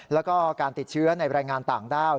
แล้วก็การติดเชื้อในรายงานต่างด้าว